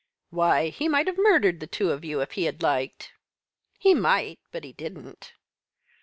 "Why, he might have murdered the two of you if he had liked." "He might, but he didn't."